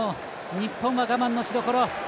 日本は我慢のしどころ。